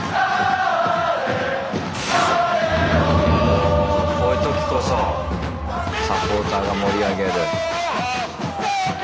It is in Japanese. おこういうときこそサポーターが盛り上げる。